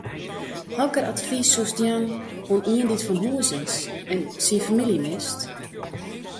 Hokker advys soest jaan oan ien dy’t fan hûs is en syn famylje mist?